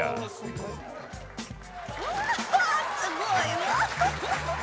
すごいわ！